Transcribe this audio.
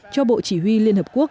cho bộ chỉ huy liên hợp quốc